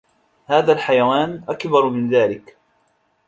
هذا الحيوان أكبر من ذاك.